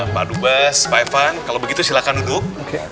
pak dubes pak evan kalau begitu silahkan duduk